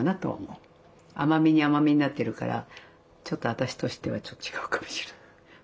甘みに甘みになってるからちょっと私としてはちょっと違うかもしれない。